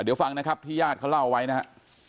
เดี๋ยวฟังนะครับที่ญาติเขาเล่าไว้นะฮะ